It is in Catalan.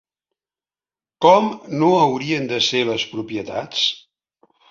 Com no haurien de ser les propietats?